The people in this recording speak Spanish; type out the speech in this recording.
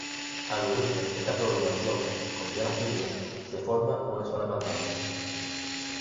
Al unirse esta prolongación con tierra firme, se forma una zona pantanosa.